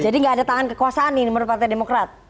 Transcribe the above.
jadi nggak ada tangan kekuasaan ini menurut partai demokrat